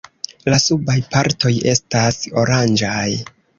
La subaj partoj estas oranĝaj.